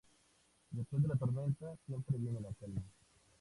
Después de la tormenta, siempre viene la calma